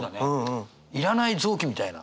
いらない臓器みたいな。